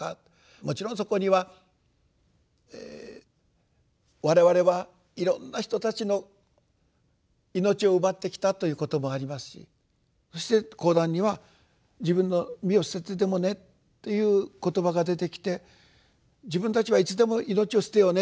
もちろんそこには「我々はいろんな人たちの命を奪ってきた」という言葉ありますしそして後段には「自分の身を捨ててでもね」という言葉が出てきて「自分たちはいつでも命を捨てようね。